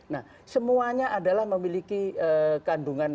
nah semuanya adalah memiliki kandungan